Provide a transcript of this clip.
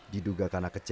diduga karena kecewa